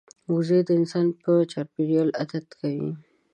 وزې د انسان په چاپېریال عادت کوي